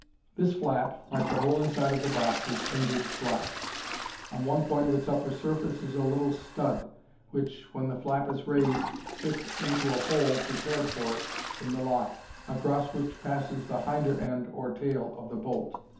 This flap, like the whole inside of the box, is painted black. On one point of its upper surface is a little stud, which, when the nap is raised, fits into a hole prepared for it in the lock, across which passes the hinder end or tail of the bolt.